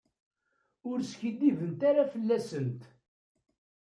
Ur skiddibemt ara fell-asent.